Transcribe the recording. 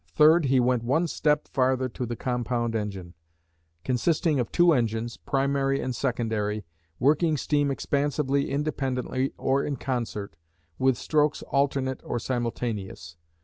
Third, he went one step farther to the compound engine, consisting of two engines, primary and secondary, working steam expansively independently or in concert, with strokes alternate or simultaneous.